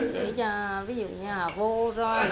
để cho ví dụ nhà vô ro